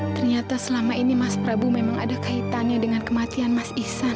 ternyata selama ini mas prabu memang ada kaitannya dengan kematian mas isan